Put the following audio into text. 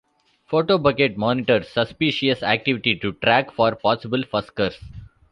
Photobucket monitors suspicious activity to track for possible fuskers.